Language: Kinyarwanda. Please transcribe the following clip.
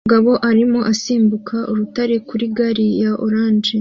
Umugabo arimo asimbuka urutare kuri gare ya orange